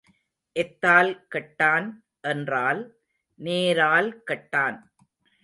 எத்தால் கெட்டான் என்றால் நோரால் கெட்டான்.